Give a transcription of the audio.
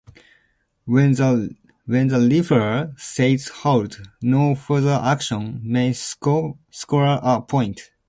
When the referee says "halt", no further action may score a point.